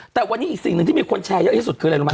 แต่วันนี้อีกสิ่งหนึ่งที่มีคนแชร์เยอะที่สุดคืออะไรรู้ไหม